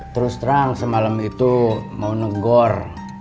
terus terang semalam itu mau nenggor